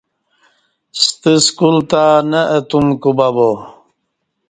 ستہ سکول تہ نہ اتم کوبہ با